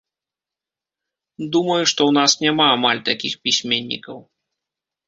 Думаю, што ў нас няма амаль такіх пісьменнікаў.